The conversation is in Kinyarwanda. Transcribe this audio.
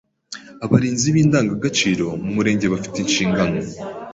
Abarinzi b’indangagaciro mu Murenge bafi te inshingano